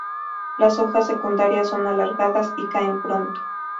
Las hojas secundarias son alargadas y caen pronto.